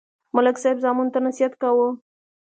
ملک صاحب زامنو ته نصیحت کاوه.